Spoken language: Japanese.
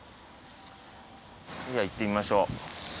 ではいってみましょう。